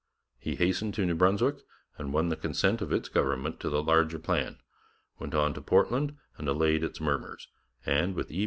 He hastened to New Brunswick, and won the consent of its government to the larger plan, went on to Portland and allayed its murmurs, and with E.